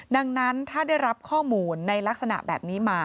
ดังนั้นถ้าได้รับข้อมูลในลักษณะแบบนี้มา